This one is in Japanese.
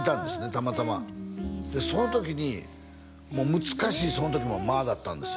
たまたまその時にもう難しいその時も間だったんですよ